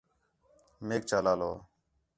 میک چا لالو